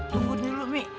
tunggu dulu umi